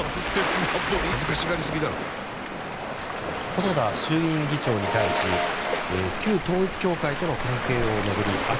細田衆議院議長に対し旧統一教会との関係を巡り明日